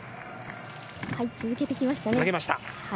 続けてきましたね。